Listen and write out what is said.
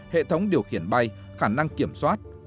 hệ thống điều khiển bay khả năng kiểm soát